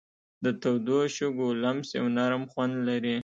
د تودو شګو لمس یو نرم خوند لري.